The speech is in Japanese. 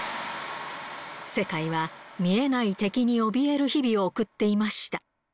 世界は見えない敵におびえる日々を送っていました。